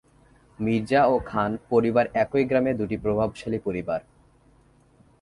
মির্জা ও খান পরিবার একই গ্রামে দুটি প্রভাবশালী পরিবার।